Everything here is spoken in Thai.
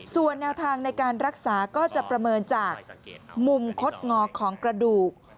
ส่วนแนวทางในการรักษาก็จะประเมินจากมุมคดงอของกระดูก